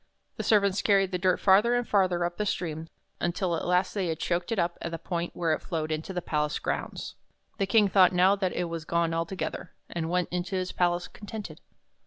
The servants carried the dirt farther and farther up the stream, until ht last they had choked it up at the point where it flowed into the palace grounds. The King thought now that it was gone altogether, and went into his palace con tented.